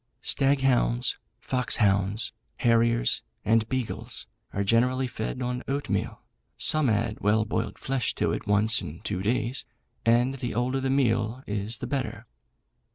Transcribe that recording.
Stag hounds, fox hounds, harriers, and beagles, are generally fed on oatmeal, some add well boiled flesh to it once in two days, and the older the meal is the better.